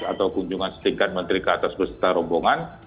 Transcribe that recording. atau kunjungan setinggan menteri ke atas peserta rombongan